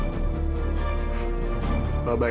babay aja lu sama orang tua lu